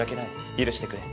許してくれ。